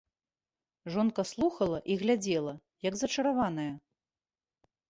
Жонка слухала і глядзела, як зачараваная.